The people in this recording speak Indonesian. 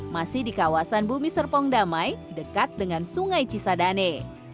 masih di kawasan bumi serpong damai dekat dengan sungai cisadane